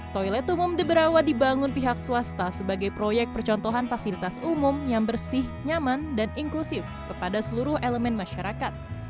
toilet umum the berawa dibangun pihak swasta sebagai proyek percontohan fasilitas umum yang bersih nyaman dan inklusif kepada seluruh elemen masyarakat